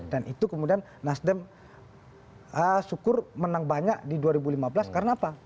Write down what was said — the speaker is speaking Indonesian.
dan itu kemudian nasdem syukur menang banyak di dua ribu lima belas karena apa